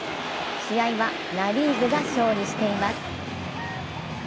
試合はナ・リーグが勝利しています